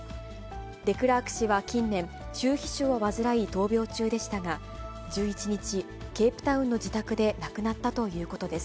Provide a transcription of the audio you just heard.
デクラーク氏は近年、中皮腫を患い闘病中でしたが、１１日、ケープタウンの自宅で亡くなったということです。